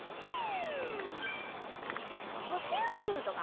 「ピュ」とか。